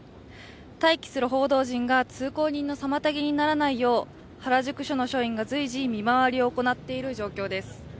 待機する報道陣が通行人の妨げにならないよう原宿署の署員が随時、見回りを行っている状況です。